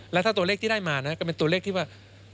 แล้วถ้าตัวเลขที่ได้มานะก็เป็นตัวเลขที่ว่า